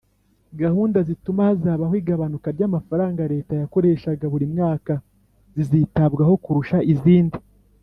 gahunda zituma hazabaho igabanuka ry'amafaranga leta yakoreshaga buri mwaka zizitabwaho kurusha izindi.